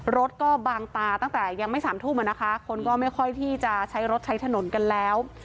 รถก็บางตาตั้งแต่ยังไม่สามทุ่มอ่ะนะคะคนก็ไม่ค่อยที่จะใช้รถใช้ถนนกันแล้ว